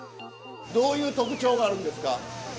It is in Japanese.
どういう特徴があるんですか？